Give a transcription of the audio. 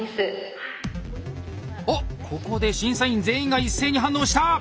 おっここで審査員全員が一斉に反応した！